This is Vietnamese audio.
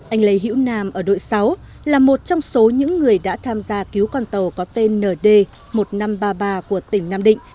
anh lê hữu nam ở đội sáu là một trong số những người đã tham gia cứu con tàu có tên nd một nghìn năm trăm ba mươi ba của tỉnh nam định